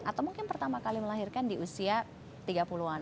atau mungkin pertama kali melahirkan di usia tiga puluh an